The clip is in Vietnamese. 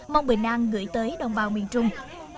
mong bình an gửi tới đồng bào miền trung